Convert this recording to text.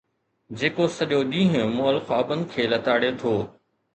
جيڪو سڄو ڏينهن مئل خوابن کي لتاڙي ٿو